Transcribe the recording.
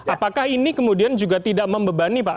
apakah ini kemudian juga tidak membebani pak